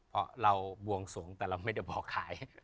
เพราะเราบวงสวงแต่เราไม่ได้บอกขาย